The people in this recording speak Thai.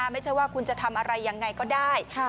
ไม่ใช่ว่าคุณจะทำอะไรยังไงก็ได้